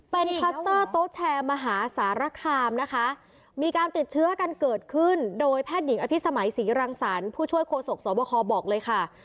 เป็นคลัสเตอร์โต๊ะแชร์มหาสารคามนะคะมีการติดเชื้อกันเกิดขึ้นโดยแพทย์หญิงอภิษมัยศรีรังสรรค์ผู้ช่วยโคศกสวบคบอกเลยค่ะ